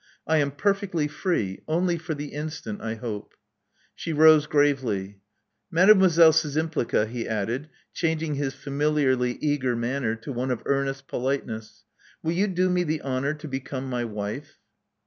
I am perfectly free — only for the instant, I hope." She rose gravely. Mademoiselle Szczympli^a, he added, changing his familiarly eager manner to one of earnest politeness, will you do me the honor to become my wife?"